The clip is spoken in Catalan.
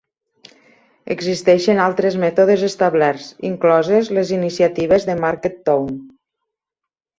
Existeixen altres mètodes establerts, incloses les iniciatives de Market Town.